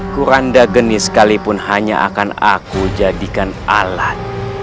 kuranda genis sekalipun hanya akan aku jadikan alat